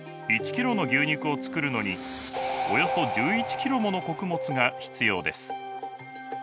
１ｋｇの牛肉を作るのにおよそ１１ｋｇもの穀物が必要です。